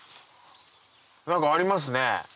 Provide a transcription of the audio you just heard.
何かありますね